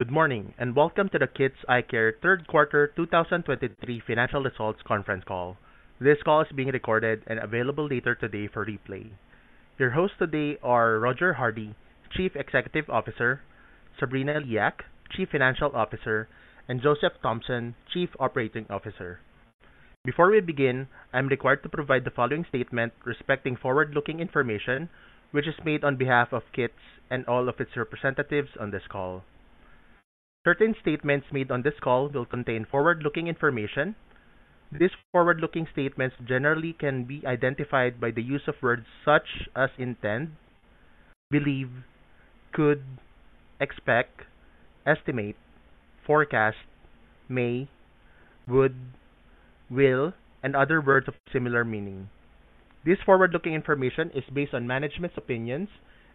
Good morning, and welcome to the KITS Eyecare Third Quarter 2023 Financial Results Conference Call. This call is being recorded and available later today for replay. Your hosts today are Roger Hardy, Chief Executive Officer, Sabrina Liak, Chief Financial Officer, and Joseph Thompson, Chief Operating Officer. Before we begin, I'm required to provide the following statement respecting forward-looking information, which is made on behalf of KITS and all of its representatives on this call. Certain statements made on this call will contain forward-looking information. These forward-looking statements generally can be identified by the use of words such as intend, believe, could, expect, estimate, forecast, may, would, will, and other words of similar meaning. This forward-looking information is based on management's opinions,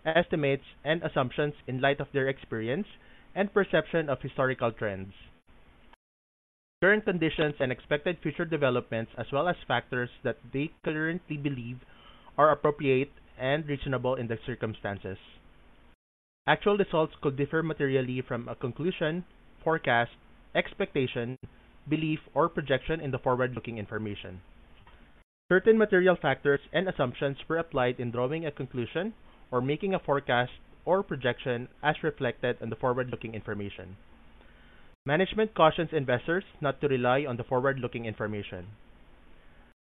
estimates, and assumptions in light of their experience and perception of historical trends, current conditions, and expected future developments, as well as factors that they currently believe are appropriate and reasonable in the circumstances. Actual results could differ materially from a conclusion, forecast, expectation, belief, or projection in the forward-looking information. Certain material factors and assumptions were applied in drawing a conclusion or making a forecast or projection as reflected in the forward-looking information. Management cautions investors not to rely on the forward-looking information.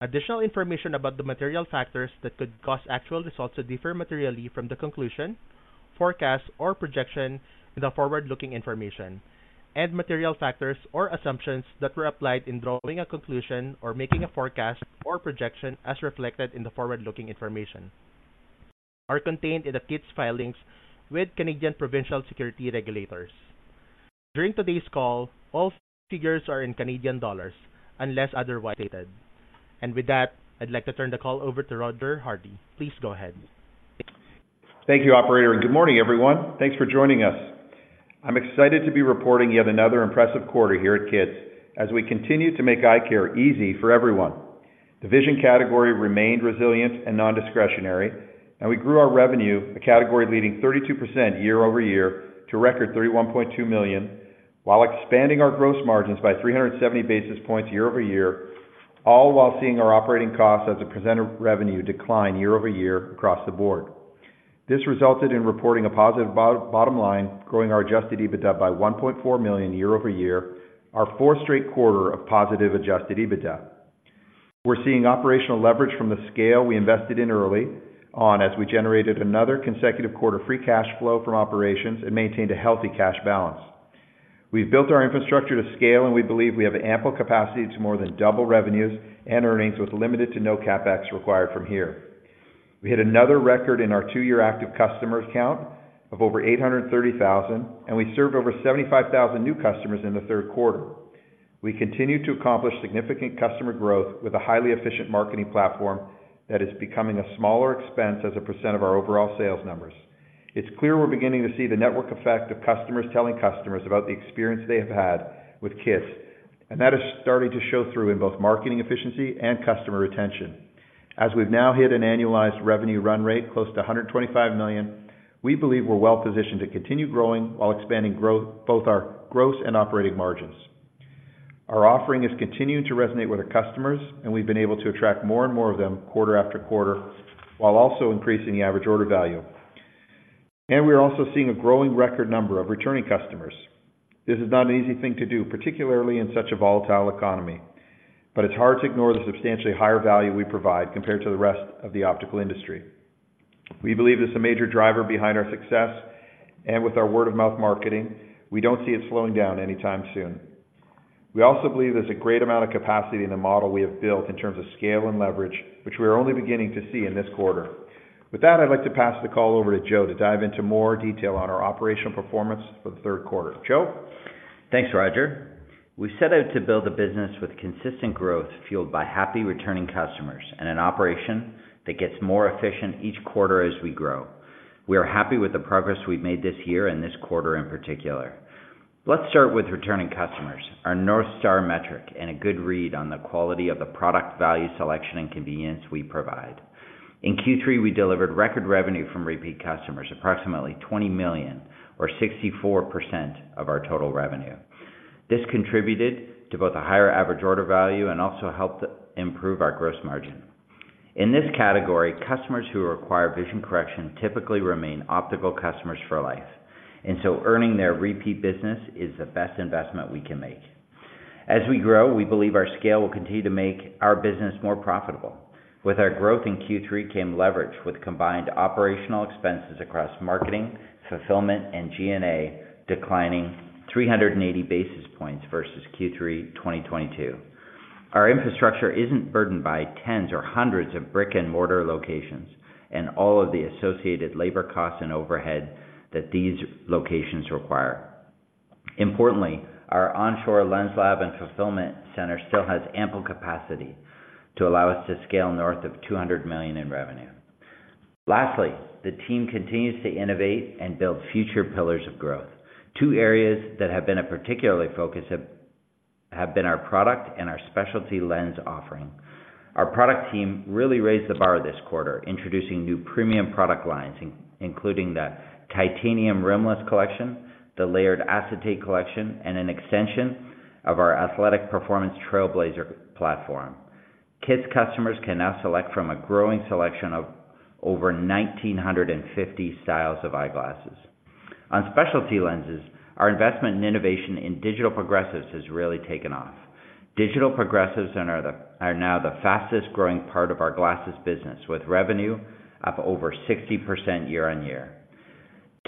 Additional information about the material factors that could cause actual results to differ materially from the conclusion, forecast, or projection in the forward-looking information, and material factors or assumptions that were applied in drawing a conclusion or making a forecast or projection as reflected in the forward-looking information, are contained in the KITS filings with Canadian provincial securities regulators. During today's call, all figures are in CAD, unless otherwise stated. With that, I'd like to turn the call over to Roger Hardy. Please go ahead. Thank you, operator, and good morning, everyone. Thanks for joining us. I'm excited to be reporting yet another impressive quarter here at KITS as we continue to make eye care easy for everyone. The vision category remained resilient and non-discretionary, and we grew our revenue, a category leading 32% year-over-year to a record 31.2 million, while expanding our gross margins by 370 basis points year-over-year, all while seeing our operating costs as a percent of revenue decline year-over-year across the board. This resulted in reporting a positive bottom line, growing our adjusted EBITDA by 1.4 million year-over-year, our fourth straight quarter of positive adjusted EBITDA. We're seeing operational leverage from the scale we invested in early on as we generated another consecutive quarter free cash flow from operations and maintained a healthy cash balance. We've built our infrastructure to scale, and we believe we have ample capacity to more than double revenues and earnings with limited to no CapEx required from here. We hit another record in our two-year active customers count of over 830,000, and we served over 75,000 new customers in the third quarter. We continue to accomplish significant customer growth with a highly efficient marketing platform that is becoming a smaller expense as a percent of our overall sales numbers. It's clear we're beginning to see the network effect of customers telling customers about the experience they have had with KITS, and that is starting to show through in both marketing efficiency and customer retention. As we've now hit an annualized revenue run rate close to 125 million, we believe we're well positioned to continue growing while expanding growth, both our gross and operating margins. Our offering is continuing to resonate with our customers, and we've been able to attract more and more of them quarter after quarter, while also increasing the average order value. We are also seeing a growing record number of returning customers. This is not an easy thing to do, particularly in such a volatile economy, but it's hard to ignore the substantially higher value we provide compared to the rest of the optical industry. We believe this is a major driver behind our success, and with our word-of-mouth marketing, we don't see it slowing down anytime soon. We also believe there's a great amount of capacity in the model we have built in terms of scale and leverage, which we are only beginning to see in this quarter. With that, I'd like to pass the call over to Joe to dive into more detail on our operational performance for the third quarter. Joe? Thanks, Roger. We set out to build a business with consistent growth, fueled by happy, returning customers and an operation that gets more efficient each quarter as we grow. We are happy with the progress we've made this year and this quarter in particular. Let's start with returning customers, our North Star metric, and a good read on the quality of the product, value, selection, and convenience we provide. In Q3, we delivered record revenue from repeat customers, approximately 20 million or 64% of our total revenue. This contributed to both a higher average order value and also helped improve our gross margin. In this category, customers who require vision correction typically remain optical customers for life, and so earning their repeat business is the best investment we can make. As we grow, we believe our scale will continue to make our business more profitable. With our growth in Q3 came leverage with combined operational expenses across marketing, fulfillment, and G&A, declining 380 basis points versus Q3 2022. Our infrastructure isn't burdened by tens or hundreds of brick-and-mortar locations and all of the associated labor costs and overhead that these locations require. Importantly, our onshore lens lab and fulfillment center still has ample capacity to allow us to scale north of 200 million in revenue. Lastly, the team continues to innovate and build future pillars of growth. Two areas that have been a particular focus of have been our product and our specialty lens offering. Our product team really raised the bar this quarter, introducing new premium product lines, including the titanium rimless collection, the layered acetate collection, and an extension of our athletic performance Trailblazer platform. KITS customers can now select from a growing selection of over 1,950 styles of eyeglasses. On specialty lenses, our investment and innovation in digital progressives has really taken off. Digital progressives are now the fastest growing part of our glasses business, with revenue up over 60% year-on-year.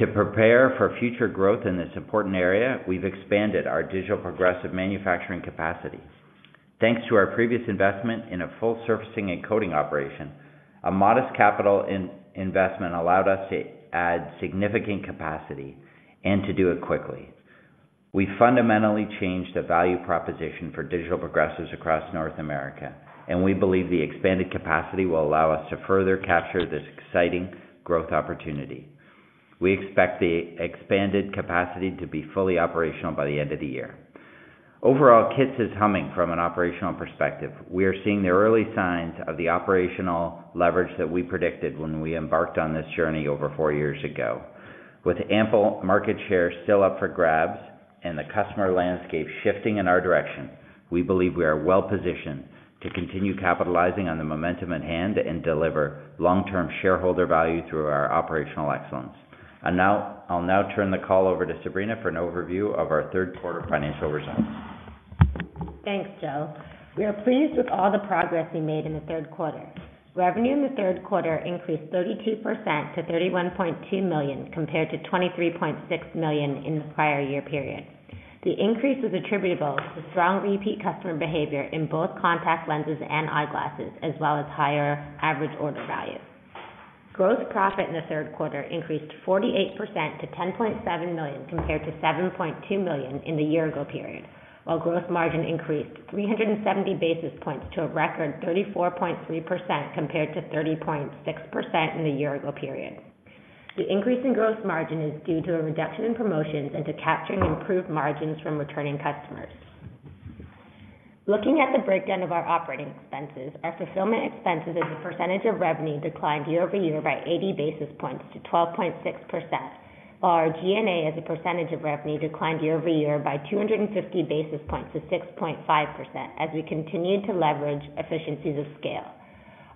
To prepare for future growth in this important area, we've expanded our digital progressive manufacturing capacity. Thanks to our previous investment in a full surfacing and coating operation, a modest capital investment allowed us to add significant capacity and to do it quickly. We fundamentally changed the value proposition for digital progressives across North America, and we believe the expanded capacity will allow us to further capture this exciting growth opportunity. We expect the expanded capacity to be fully operational by the end of the year. Overall, KITS is humming from an operational perspective. We are seeing the early signs of the operational leverage that we predicted when we embarked on this journey over four years ago. With ample market share still up for grabs and the customer landscape shifting in our direction, we believe we are well positioned to continue capitalizing on the momentum at hand and deliver long-term shareholder value through our operational excellence. And now, I'll now turn the call over to Sabrina for an overview of our third quarter financial results. Thanks, Joe. We are pleased with all the progress we made in the third quarter. Revenue in the third quarter increased 32% to 31.2 million, compared to 23.6 million in the prior year period. The increase was attributable to strong repeat customer behavior in both contact lenses and eyeglasses, as well as higher average order values. Gross profit in the third quarter increased 48% to 10.7 million, compared to 7.2 million in the year ago period, while gross margin increased 370 basis points to a record 34.3%, compared to 30.6% in the year ago period. The increase in gross margin is due to a reduction in promotions and to capturing improved margins from returning customers. Looking at the breakdown of our operating expenses, our fulfillment expenses as a percentage of revenue declined year-over-year by 80 basis points to 12.6%, while our G&A as a percentage of revenue declined year-over-year by 250 basis points to 6.5%, as we continued to leverage efficiencies of scale.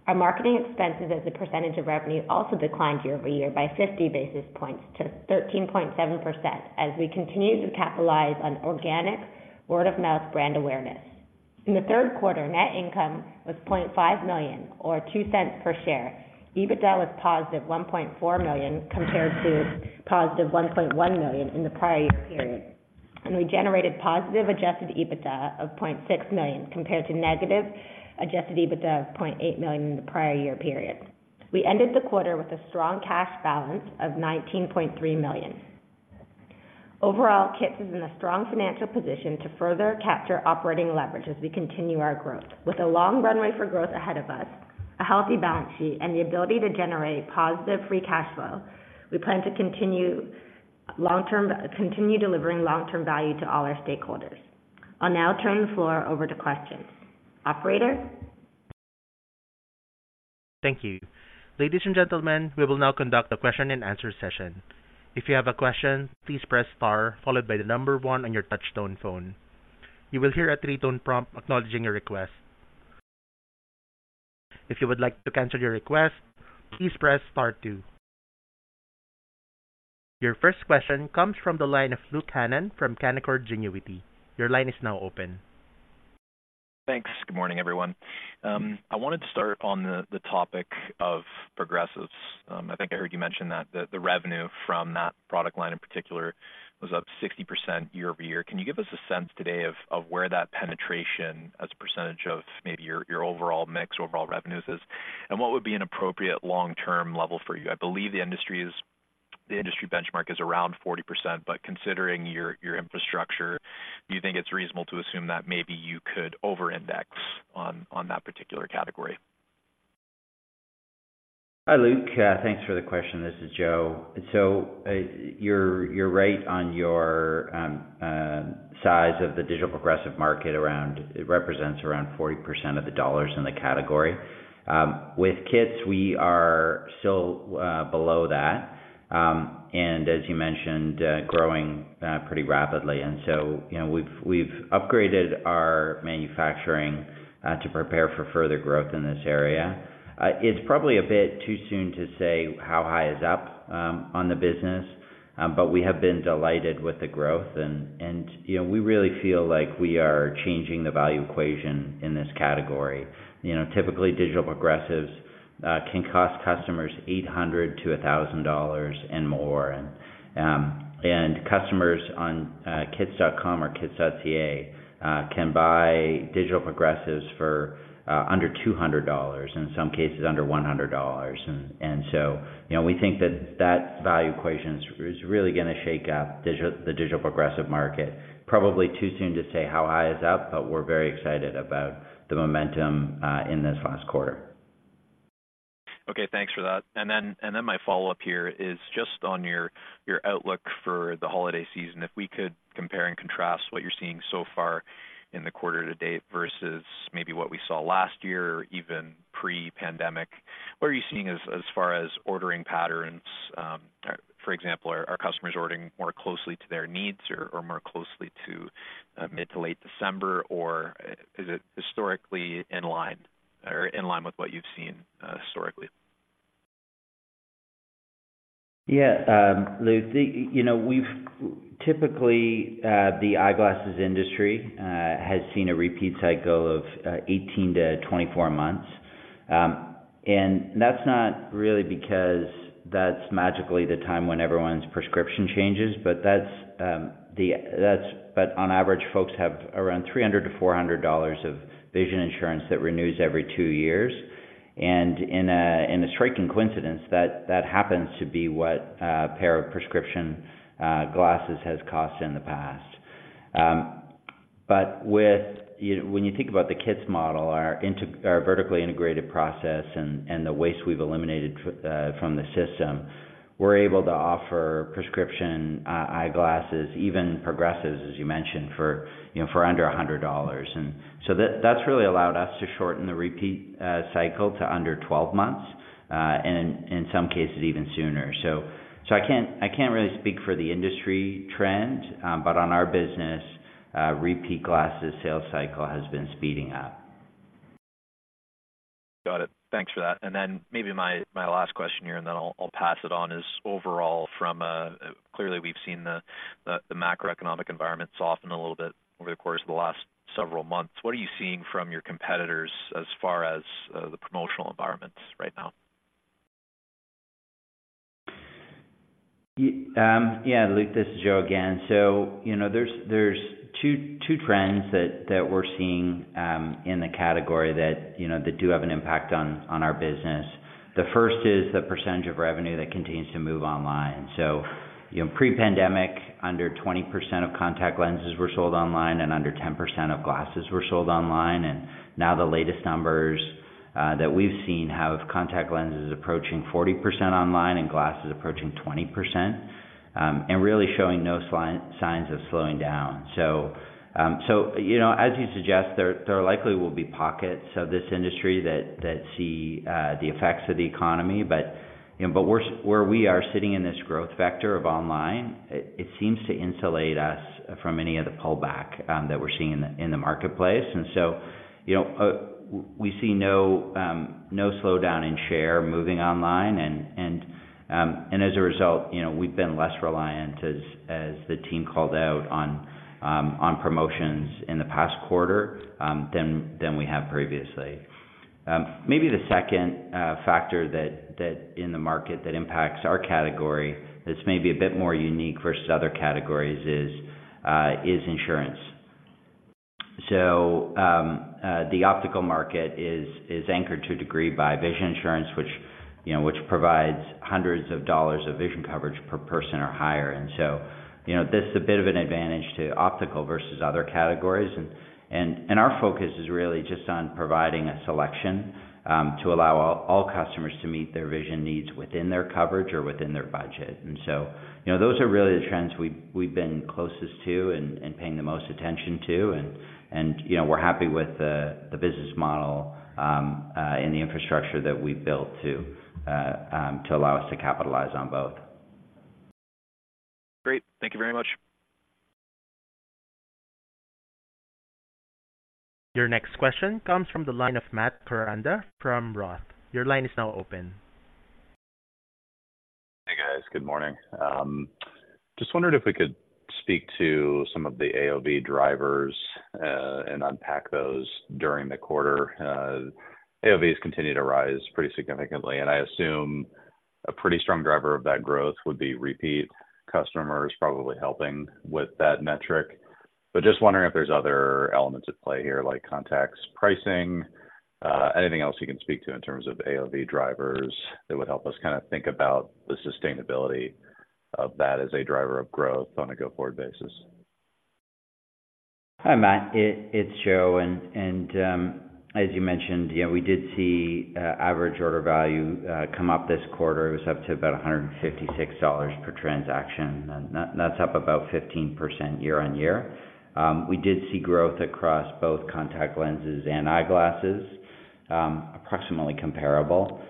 Our marketing expenses as a percentage of revenue also declined year-over-year by 50 basis points to 13.7%, as we continued to capitalize on organic word-of-mouth brand awareness. In the third quarter, net income was 0.5 million, or 0.02 per share. EBITDA was positive 1.4 million, compared to positive 1.1 million in the prior year period. We generated positive Adjusted EBITDA of 0.6 million, compared to negative Adjusted EBITDA of 0.8 million in the prior year period. We ended the quarter with a strong cash balance of 19.3 million. Overall, KITS is in a strong financial position to further capture operating leverage as we continue our growth. With a long runway for growth ahead of us, a healthy balance sheet, and the ability to generate positive Free Cash Flow, we plan to continue delivering long-term value to all our stakeholders. I'll now turn the floor over to questions. Operator? Thank you. Ladies and gentlemen, we will now conduct a question-and-answer session. If you have a question, please press star, followed by the number one on your touch-tone phone. You will hear a three-tone prompt acknowledging your request. If you would like to cancel your request, please press star two. Your first question comes from the line of Luke Hannan from Canaccord Genuity. Your line is now open. Thanks. Good morning, everyone. I wanted to start on the topic of progressives. I think I heard you mention that the revenue from that product line in particular was up 60% year-over-year. Can you give us a sense today of where that penetration as a percentage of maybe your overall mix, overall revenues is? And what would be an appropriate long-term level for you? I believe the industry benchmark is around 40%, but considering your infrastructure, do you think it's reasonable to assume that maybe you could over-index on that particular category? Hi, Luke. Thanks for the question. This is Joe. So you're right on your size of the digital progressive market around... It represents around 40% of the dollars in the category. With KITS, we are still below that, and as you mentioned, growing pretty rapidly. And so, you know, we've upgraded our manufacturing to prepare for further growth in this area. It's probably a bit too soon to say how high is up on the business, but we have been delighted with the growth and, you know, we really feel like we are changing the value equation in this category. You know, typically, digital progressives can cost customers $800-$1,000 and more. And customers on kits.com or kits.ca can buy digital progressives for under $200, in some cases under $100. And so, you know, we think that that value equation is really gonna shake up the digital progressive market. Probably too soon to say how high is up, but we're very excited about the momentum in this last quarter. ... Okay, thanks for that. And then, and then my follow-up here is just on your, your outlook for the holiday season. If we could compare and contrast what you're seeing so far in the quarter to date versus maybe what we saw last year or even pre-pandemic, what are you seeing as, as far as ordering patterns? For example, are, are customers ordering more closely to their needs or, or more closely to, mid to late December, or is it historically in line, or in line with what you've seen, historically? Yeah, Luke, you know, we've typically, the eyeglasses industry has seen a repeat cycle of 18-24 months. That's not really because that's magically the time when everyone's prescription changes, but that's, on average, folks have around $300-$400 of vision insurance that renews every two years. In a striking coincidence, that happens to be what a pair of prescription glasses has cost in the past. When you think about the KITS model, our vertically integrated process and the waste we've eliminated from the system, we're able to offer prescription eyeglasses, even progressives, as you mentioned, for under $100. So that's really allowed us to shorten the repeat cycle to under 12 months, and in some cases, even sooner. So I can't really speak for the industry trend, but on our business, repeat glasses sales cycle has been speeding up. Got it. Thanks for that. And then maybe my last question here, and then I'll pass it on, is overall from Clearly, we've seen the macroeconomic environment soften a little bit over the course of the last several months. What are you seeing from your competitors as far as the promotional environments right now? Yeah, Luke, this is Joe again. So, you know, there's two trends that we're seeing in the category that you know that do have an impact on our business. The first is the percentage of revenue that continues to move online. So, you know, pre-pandemic, under 20% of contact lenses were sold online and under 10% of glasses were sold online. And now the latest numbers that we've seen have contact lenses approaching 40% online and glasses approaching 20%, and really showing no signs of slowing down. So, you know, as you suggest, there likely will be pockets of this industry that see the effects of the economy. But, you know, where we are sitting in this growth vector of online, it seems to insulate us from any of the pullback that we're seeing in the marketplace. And so, you know, we see no slowdown in share moving online. And as a result, you know, we've been less reliant, as the team called out on promotions in the past quarter, than we have previously. Maybe the second factor that in the market that impacts our category, that's maybe a bit more unique versus other categories is insurance. So, the optical market is anchored to a degree by vision insurance, which, you know, which provides hundreds of CAD of vision coverage per person or higher. And so, you know, this is a bit of an advantage to optical versus other categories. And our focus is really just on providing a selection to allow all customers to meet their vision needs within their coverage or within their budget. And so, you know, those are really the trends we've been closest to and paying the most attention to. And, you know, we're happy with the business model and the infrastructure that we've built to allow us to capitalize on both. Great. Thank you very much. Your next question comes from the line of Matt Koranda from Roth. Your line is now open. Hey, guys. Good morning. Just wondered if we could speak to some of the AOV drivers, and unpack those during the quarter. AOV has continued to rise pretty significantly, and I assume a pretty strong driver of that growth would be repeat customers probably helping with that metric. But just wondering if there's other elements at play here, like contacts, pricing, anything else you can speak to in terms of AOV drivers that would help us kinda think about the sustainability of that as a driver of growth on a go-forward basis. Hi, Matt. It's Joe, and as you mentioned, you know, we did see average order value come up this quarter. It was up to about 156 dollars per transaction, and that's up about 15% year-on-year. We did see growth across both contact lenses and eyeglasses, approximately comparable.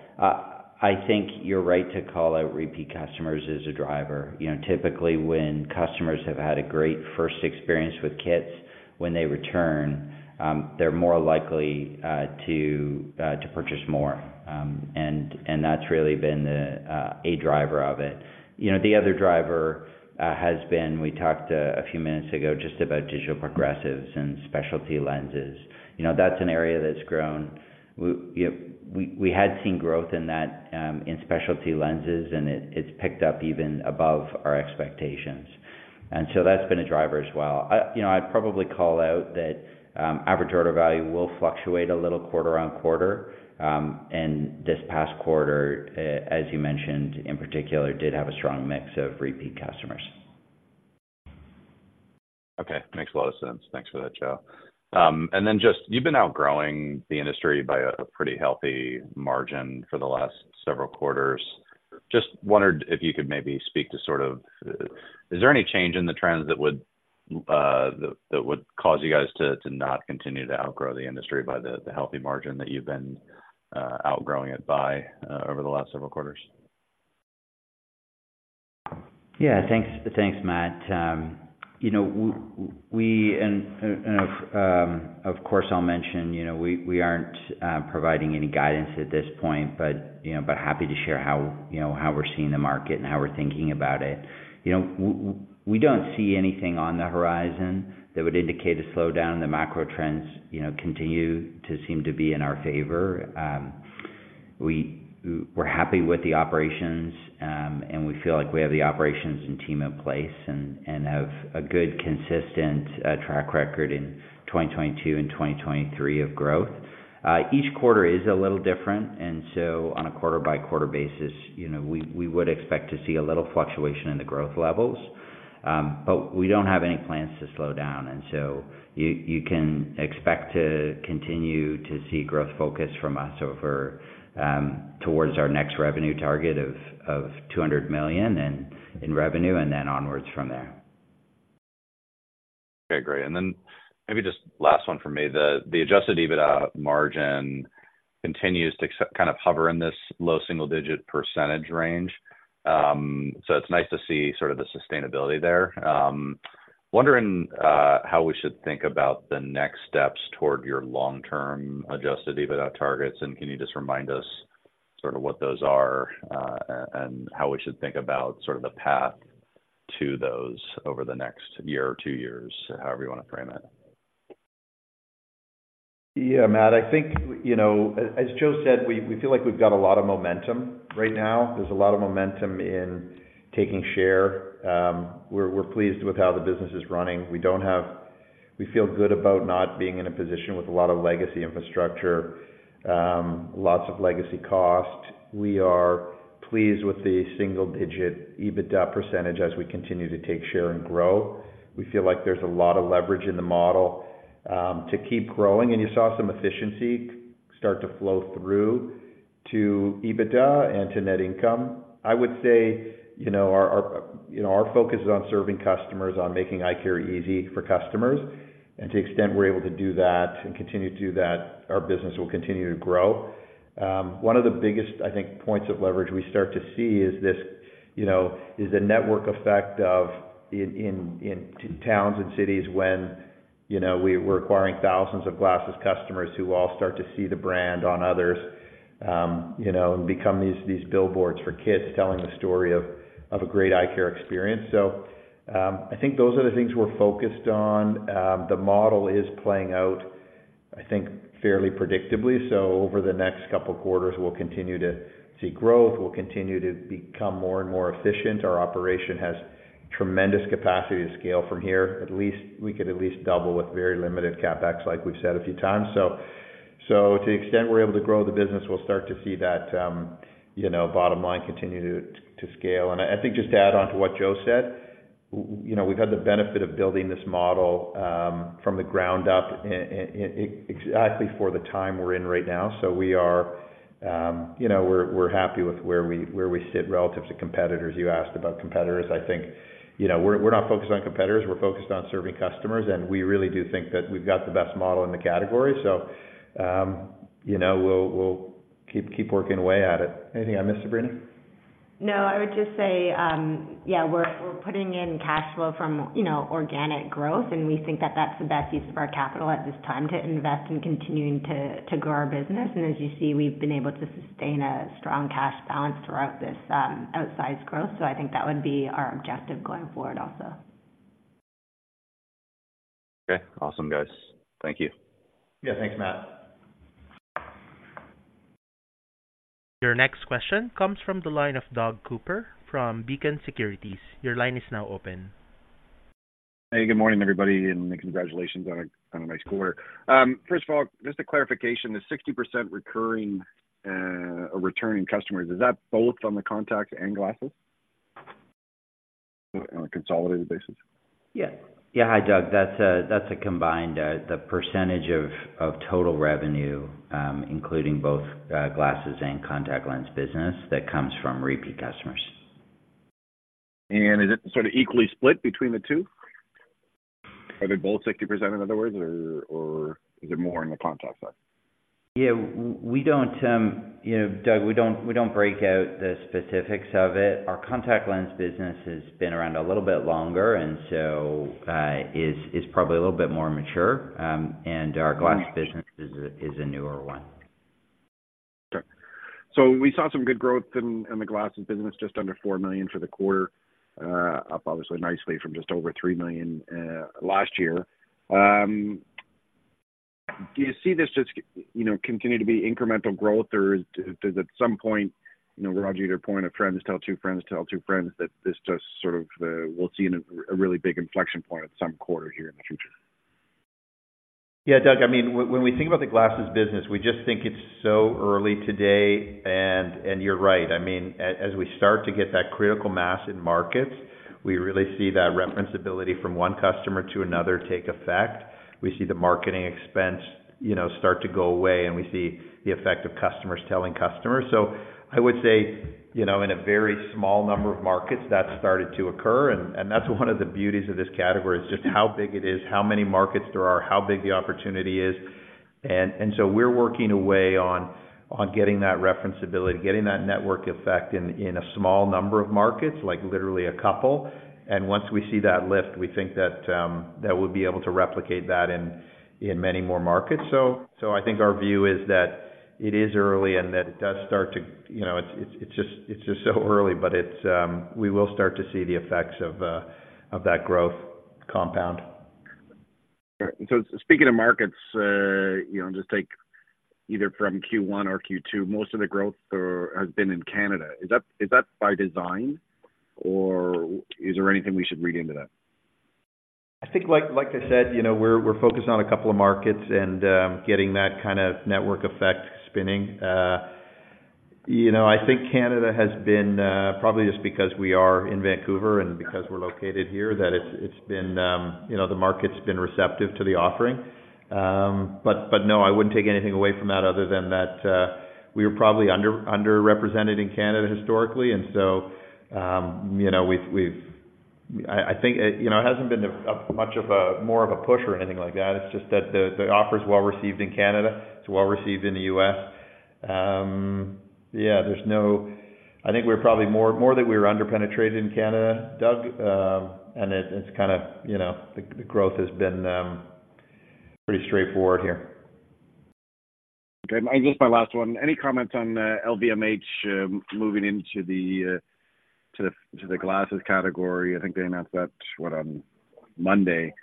I think you're right to call out repeat customers as a driver. You know, typically, when customers have had a great first experience with KITS, when they return, they're more likely to purchase more. And that's really been a driver of it. You know, the other driver has been, we talked a few minutes ago, just about digital progressives and specialty lenses. You know, that's an area that's grown. We, you know, had seen growth in that, in specialty lenses, and it's picked up even above our expectations, and so that's been a driver as well. You know, I'd probably call out that average order value will fluctuate a little quarter-over-quarter. This past quarter, as you mentioned, in particular, did have a strong mix of repeat customers.... Okay, makes a lot of sense. Thanks for that, Joe. And then just, you've been outgrowing the industry by a pretty healthy margin for the last several quarters. Just wondered if you could maybe speak to sort of, is there any change in the trends that would that would cause you guys to not continue to outgrow the industry by the healthy margin that you've been outgrowing it by over the last several quarters? Yeah, thanks, thanks, Matt. You know, we, of course, I'll mention, you know, we aren't providing any guidance at this point, but, you know, but happy to share how, you know, how we're seeing the market and how we're thinking about it. You know, we don't see anything on the horizon that would indicate a slowdown. The macro trends, you know, continue to seem to be in our favor. We're happy with the operations, and we feel like we have the operations and team in place, and have a good, consistent track record in 2022 and 2023 of growth. Each quarter is a little different, and so on a quarter-by-quarter basis, you know, we would expect to see a little fluctuation in the growth levels. But we don't have any plans to slow down, and so you can expect to continue to see growth focus from us over towards our next revenue target of 200 million in revenue, and then onwards from there. Okay, great. And then maybe just last one for me. The Adjusted EBITDA margin continues to kind of hover in this low single-digit % range. So it's nice to see sort of the sustainability there. Wondering how we should think about the next steps toward your long-term Adjusted EBITDA targets, and can you just remind us sort of what those are, and how we should think about sort of the path to those over the next year or two years? However you want to frame it. Yeah, Matt, I think, you know, as Joe said, we feel like we've got a lot of momentum right now. There's a lot of momentum in taking share. We're pleased with how the business is running. We feel good about not being in a position with a lot of legacy infrastructure, lots of legacy costs. We are pleased with the single-digit EBITDA percentage as we continue to take share and grow. We feel like there's a lot of leverage in the model, to keep growing, and you saw some efficiency start to flow through to EBITDA and to net income. I would say, you know, our focus is on serving customers, on making eye care easy for customers, and to the extent we're able to do that and continue to do that, our business will continue to grow. One of the biggest, I think, points of leverage we start to see is this, you know, is the network effect of in towns and cities when, you know, we're acquiring thousands of glasses customers who all start to see the brand on others, you know, and become these billboards for KITS telling the story of a great eye care experience. So, I think those are the things we're focused on. The model is playing out, I think, fairly predictably. So over the next couple of quarters, we'll continue to see growth. We'll continue to become more and more efficient. Our operation has tremendous capacity to scale from here. At least, we could at least double with very limited CapEx, like we've said a few times. So to the extent we're able to grow the business, we'll start to see that, you know, bottom line continue to scale. And I think just to add on to what Joe said, you know, we've had the benefit of building this model, from the ground up exactly for the time we're in right now. So we are, you know, we're happy with where we sit relative to competitors. You asked about competitors. I think, you know, we're not focused on competitors, we're focused on serving customers, and we really do think that we've got the best model in the category. So, you know, we'll keep working away at it. Anything I missed, Sabrina? No, I would just say, yeah, we're putting in cash flow from, you know, organic growth, and we think that that's the best use of our capital at this time, to invest in continuing to grow our business. And as you see, we've been able to sustain a strong cash balance throughout this outsized growth. So I think that would be our objective going forward also. Okay. Awesome, guys. Thank you. Yeah. Thanks, Matt. Your next question comes from the line of Doug Cooper from Beacon Securities. Your line is now open. Hey, good morning, everybody, and congratulations on a nice quarter. First of all, just a clarification, the 60% recurring or returning customers, is that both on the contacts and glasses on a consolidated basis? Yeah. Yeah. Hi, Doug. That's a, that's a combined, the percentage of, of total revenue, including both, glasses and contact lens business that comes from repeat customers. Is it sort of equally split between the two? Are they both 60%, in other words, or, or is it more on the contact side? Yeah, we don't, you know, Doug, we don't break out the specifics of it. Our contact lens business has been around a little bit longer and so is probably a little bit more mature. And our glasses business is a newer one. Sure. So we saw some good growth in the glasses business, just under 4 million for the quarter, up obviously nicely from just over 3 million last year. Do you see this just, you know, continue to be incremental growth, or does at some point, you know, Rog, to your point of friends tell two friends, tell two friends, that this just sort of we'll see in a really big inflection point at some quarter here? Yeah, Doug, I mean, when we think about the glasses business, we just think it's so early today, and you're right. I mean, as we start to get that critical mass in markets, we really see that referenceability from one customer to another take effect. We see the marketing expense, you know, start to go away, and we see the effect of customers telling customers. So I would say, you know, in a very small number of markets, that started to occur, and that's one of the beauties of this category, is just how big it is, how many markets there are, how big the opportunity is. And so we're working away on getting that referenceability, getting that network effect in a small number of markets, like literally a couple. And once we see that lift, we think that we'll be able to replicate that in many more markets. So, I think our view is that it is early and that it does start to... You know, it's just so early, but we will start to see the effects of that growth compound. Speaking of markets, you know, just take either from Q1 or Q2, most of the growth has been in Canada. Is that by design, or is there anything we should read into that? I think, like I said, you know, we're focused on a couple of markets and getting that kind of network effect spinning. You know, I think Canada has been probably just because we are in Vancouver and because we're located here, that it's been, you know, the market's been receptive to the offering. But no, I wouldn't take anything away from that other than that we were probably underrepresented in Canada historically, and so, you know, we've—I think, you know, it hasn't been a much of a more of a push or anything like that. It's just that the offer is well received in Canada. It's well received in the U.S. Yeah, there's no... I think we're probably more that we were under-penetrated in Canada, Doug, and it, it's kind of, you know, the growth has been pretty straightforward here. Okay, and just my last one. Any comments on LVMH moving into the glasses category? I think they announced that, what, on Monday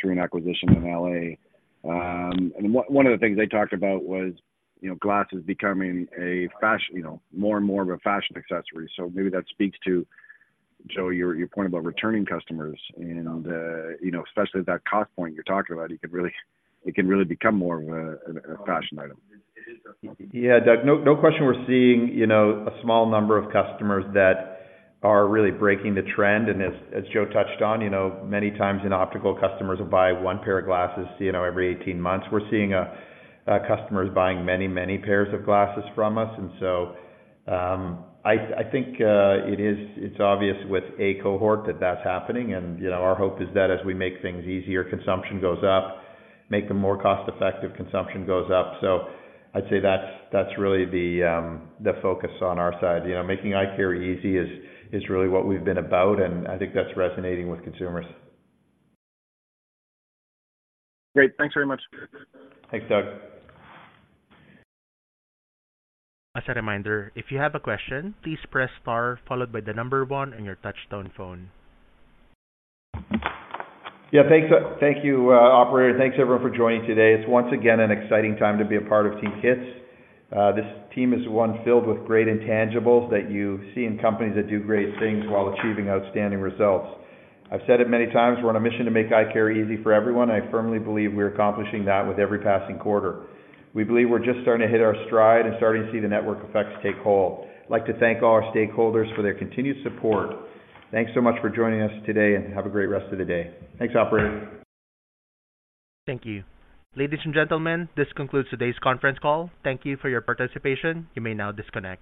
through an acquisition in L.A. And one of the things they talked about was, you know, glasses becoming a fashion- you know, more and more of a fashion accessory. So maybe that speaks to, Joe, your point about returning customers, and you know, especially with that cost point you're talking about, it could really- it can really become more of a fashion item. Yeah, Doug, no, no question we're seeing, you know, a small number of customers that are really breaking the trend, and as Joe touched on, you know, many times in optical, customers will buy one pair of glasses, you know, every 18 months. We're seeing customers buying many, many pairs of glasses from us, and so, I think it is, it's obvious with a cohort that that's happening, and, you know, our hope is that as we make things easier, consumption goes up, make them more cost-effective, consumption goes up. So I'd say that's really the focus on our side. You know, making eye care easy is really what we've been about, and I think that's resonating with consumers. Great. Thanks very much. Thanks, Doug. As a reminder, if you have a question, please press star, followed by the number one on your touch-tone phone. Yeah, thanks. Thank you, operator. Thanks, everyone, for joining today. It's once again an exciting time to be a part of Team KITS. This team is one filled with great intangibles that you see in companies that do great things while achieving outstanding results. I've said it many times, we're on a mission to make eye care easy for everyone, and I firmly believe we're accomplishing that with every passing quarter. We believe we're just starting to hit our stride and starting to see the network effects take hold. I'd like to thank all our stakeholders for their continued support. Thanks so much for joining us today, and have a great rest of the day. Thanks, operator. Thank you. Ladies and gentlemen, this concludes today's conference call. Thank you for your participation. You may now disconnect.